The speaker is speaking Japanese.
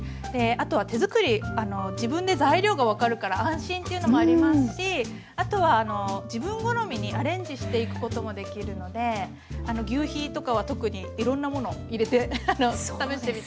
あとは手作り自分で材料が分かるから安心というのもありますしあとは自分好みにアレンジしていくこともできるのでぎゅうひとかは特にいろんなもの入れて食べてみてほしいですね。